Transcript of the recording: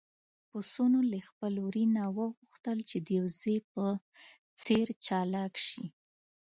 پسونو له خپل وري نه وغوښتل چې د وزې په څېر چالاک شي.